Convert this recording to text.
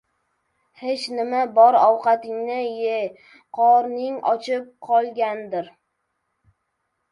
— Hech nima. Bor, ovqatingni ye, qorning ochib qolgandir.